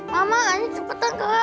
mama ini cepetan keren